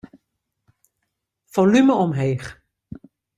Folume omheech.